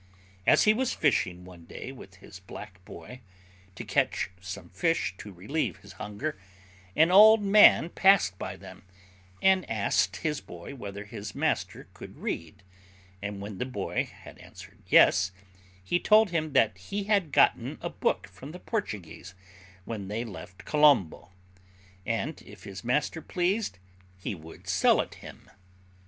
As he was fishing one day with his black boy, to catch some fish to relieve his hunger, an old man passed by them, and asked his boy whether his master could read; and when the boy had answered yes, he told him that he had gotten a book from the Portuguese, when they left Colombo; and, if his master pleased, he would sell it him.